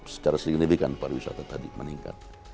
secara signifikan pariwisata tadi meningkat